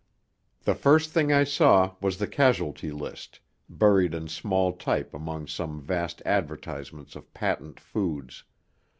The first thing I saw was the Casualty List, buried in small type among some vast advertisements of patent foods.